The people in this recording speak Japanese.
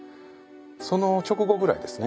その直後ぐらいですね。